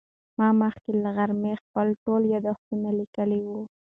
ما مخکې له غرمې خپل ټول یادښتونه لیکلي وو.